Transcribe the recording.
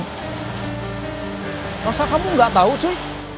tidak usah kamu tidak tahu cuy